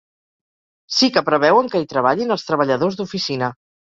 Sí que preveuen que hi treballin els treballadors d’oficina.